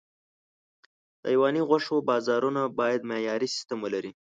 د حيواني غوښو بازارونه باید معیاري سیستم ولري.